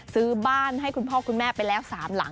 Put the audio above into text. ซื้อบ้านให้คุณพ่อคุณแม่ไปแล้ว๓หลัง